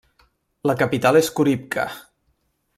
La capital és Khouribga.